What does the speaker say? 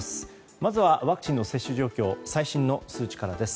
まずはワクチンの接種状況最新の数値からです。